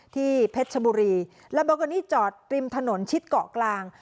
เพชรชบุรีลัมโบโกนี่จอดริมถนนชิดเกาะกลาง